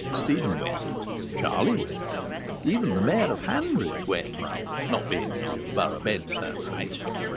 Stephen went. Charlie went. Even the Mayor of Hanbridge went (not being on the borough Bench that night).